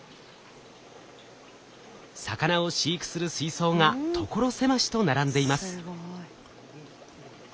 魚を飼育する水槽が所狭しと並んでいます。